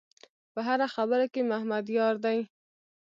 په هره خبره کې محمد یار دی.